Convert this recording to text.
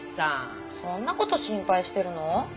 そんな事心配してるの？